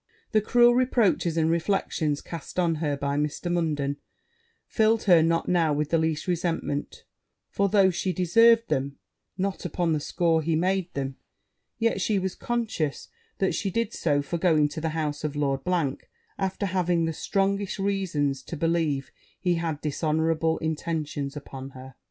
The cruel reproaches and reflections cast on her by Mr. Munden, filled her not now with the least resentment; for though she deserved them not upon the score he made them, yet she was conscious that she did so for going to the house of Lord , after having the strongest reasons to believe he had dishonourable intentions upon her.